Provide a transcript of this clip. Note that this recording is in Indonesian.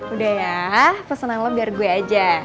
udah ya pesanan lo biar gue aja